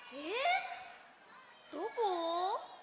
どこ？